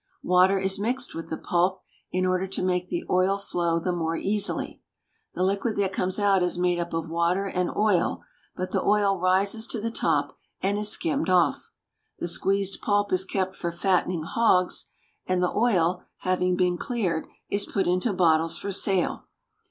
Water is mixed with the pulp, in order to make the oil flow the more easily. The liquid that comes out is made up of water and oil, but the oil rises to the top and is skimmed off. The squeezed pulp is kept for fattening hogs, and the oil, having been cleared, is put into bottles for sale.